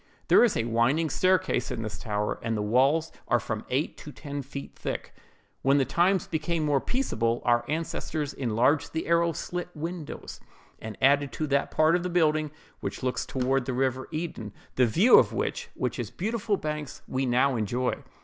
There is a winding staircase in this tower, and the walls are from eight to ten feet thick. "When the times became more peaceable, our ancestors enlarged the arrow slit windows, and added to that part of the building which looks toward the river Eden; the view of which, with its beautiful banks, we now enjoy.